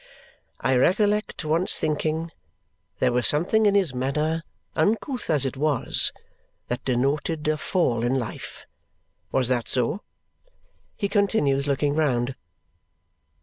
"I recollect once thinking there was something in his manner, uncouth as it was, that denoted a fall in life. Was that so?" he continues, looking round.